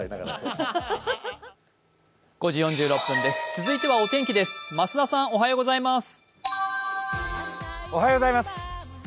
続いてはお天気です、増田さん、おはようございます。